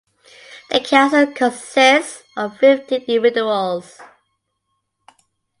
The Council consists of fifteen individuals.